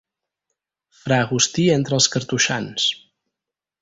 Fra Agustí entre els cartoixans.